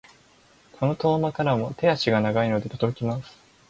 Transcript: この遠間からも手足が長いので届きます。